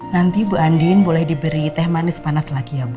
nanti bu andin boleh diberi teh manis panas lagi ya bu